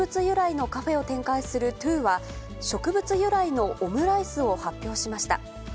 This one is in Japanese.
由来のカフェを展開するＴＷＯは、植物由来のオムライスを発表しました。